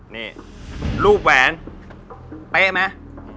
นี่รูปแหวนเป๊ะมั้ย